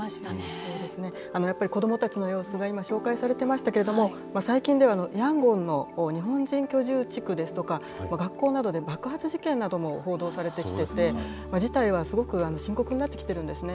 そうですね、やっぱり子どもたちの様子が今、紹介されてましたけれども、最近ではヤンゴンの日本人居住地区ですとか、学校などで爆発事件なども報道されてきてて、事態はすごく深刻になってきてるんですね。